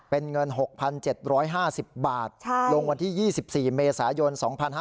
เป็นเงิน๖๗๕๐บาทลงวันที่๒๔เมษายน๒๕๕๙